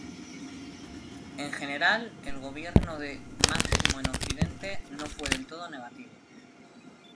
En general, el gobierno de Máximo en Occidente no fue del todo negativo.